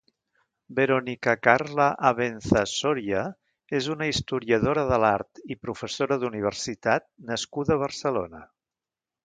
Verónica Carla Abenza Soria és una historiadora de l'art i professora d'universitat nascuda a Barcelona.